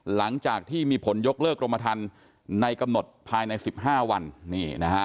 หลังจากที่มีผลยกเลิกกรมทันในกำหนดภายใน๑๕วันนี่นะฮะ